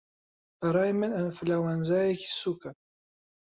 بەڕای من ئەنفلەوەنزایەکی سووکه